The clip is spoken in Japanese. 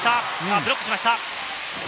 ブロックしました。